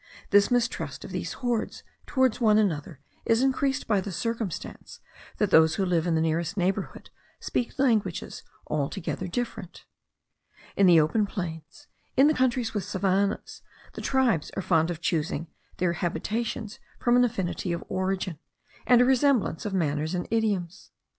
The mistrust of these hordes towards one another is increased by the circumstance that those who live in the nearest neighbourhood speak languages altogether different. In the open plains, in the countries with savannahs, the tribes are fond of choosing their habitations from an affinity of origin, and a resemblance of manners and idioms.